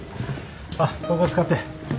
あっここ使って。